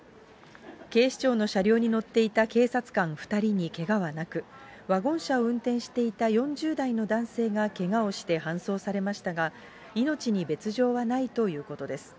警視庁の車両に乗っていた警察官２人にけがはなく、ワゴン車を運転していた４０代の男性がけがをして搬送されましたが、命に別状はないということです。